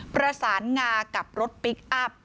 ประสานงากับรถพลิกอัพ